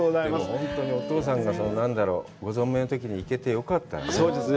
本当にお父さんが、何だろう、ご存命のときに行けてよかったね。